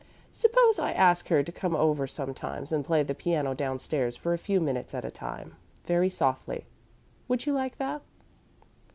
"Suppose I ask her to come over sometimes and play the piano downstairs for a few minutes at a time, very softly. Would you like that?"